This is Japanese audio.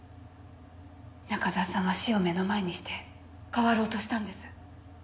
中沢さんは死を目の前にして変わろうとしたんです。